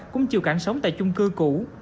cũng chịu cảnh sống tại chung cư cũ